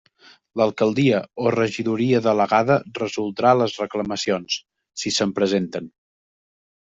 L'Alcaldia o regidoria delegada resoldrà les reclamacions, si se'n presenten.